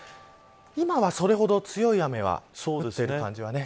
今は、それほど強い雨は降っている感じはね。